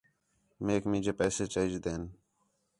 میک مینے پیسے چاہیجدین